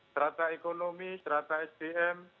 serata ekonomi serata sdm